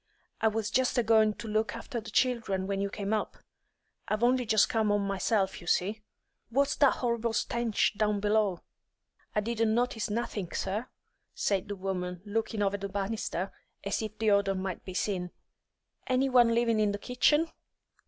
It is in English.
I was just a goin' to look after the children when you came up. I've only just come 'ome myself, you see." "What's that horrible stench down below?" "I didn't notice nothink, sir," said the woman, looking over the banisters as if the odour might be seen. "Any one living in the kitchen?"